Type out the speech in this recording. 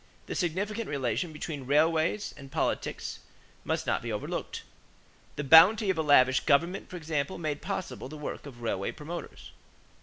The significant relation between railways and politics must not be overlooked. The bounty of a lavish government, for example, made possible the work of railway promoters.